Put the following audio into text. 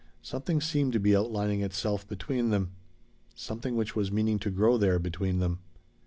Something seemed to be outlining itself between them. Something which was meaning to grow there between them.